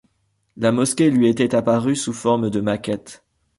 La mosquée lui était apparue sous forme de maquette.